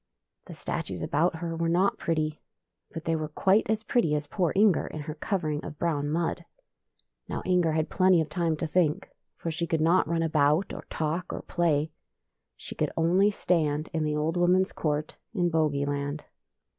The statues about her were not pretty, but they were quite as pretty as poor Inger in her covering of brown mud. Now Inger had plenty of time to think, for she could not run about, or talk, or play. She coidd only stand in the old woman's court in Bogey land.